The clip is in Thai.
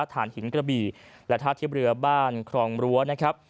ฐานหินกระบี่และท่าเทียบเรือบ้านครองรั้วนะครับ